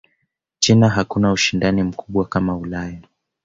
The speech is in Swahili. china hakuna ushindani mkubwa kama Ulaya